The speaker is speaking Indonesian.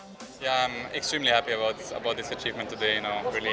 saya sangat bangga dengan pencapaian ini hari ini